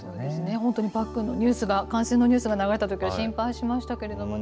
本当にパックンのニュースが、感染のニュースが流れたときは心配しましたけれどもね。